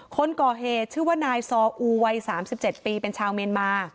คนก่อเหตุชื่อว่านายซออูวัย๓๗ปีเป็นชาวเมียนมา